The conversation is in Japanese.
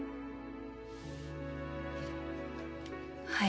はい。